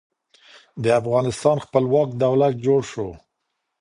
د افغانستان خپلواک دولت جوړ شو.